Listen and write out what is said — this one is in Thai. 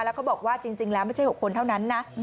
แล้วก็บอกว่าจริงแล้วไม่ใช่๖คนเท่านั้นนะ